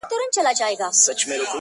د پيشو په مخكي زوره ور نه پردى سي٫